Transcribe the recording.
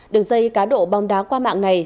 đường dây cá độ bóng đá qua mạng này